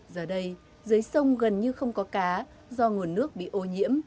giờ đây dưới sông gần như không có cá do nguồn nước bị ô nhiễm